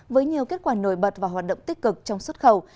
với nhiều kết quả nổi bật và hoạt động tích cực trong xuất khẩu